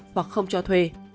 hoặc không cho thuê